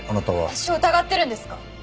私を疑ってるんですか？